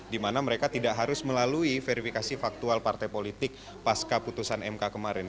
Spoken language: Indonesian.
di mana mereka tidak harus melalui verifikasi faktual partai politik pasca putusan mk kemarin